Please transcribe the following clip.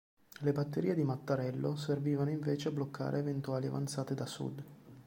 Le batterie di Mattarello servivano invece a bloccare eventuali avanzate da sud.